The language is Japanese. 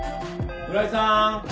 村井さん？